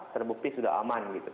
terbukti sudah aman